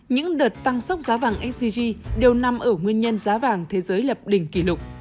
những đợt tăng sốc giá vàng sgg đều nằm ở nguyên nhân giá vàng thế giới lập đỉnh kỷ lục